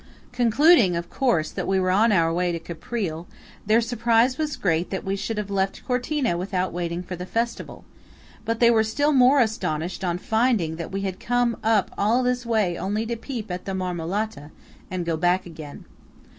Concluding, of course, that we were on our way to Caprile, their surprise was great that we should have left Cortina without waiting for the festival; but they were still more astonished on finding that we had come up all this way only to peep at the Marmolata and go back again.